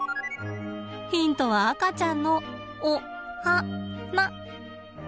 ヒントは赤ちゃんのおはな。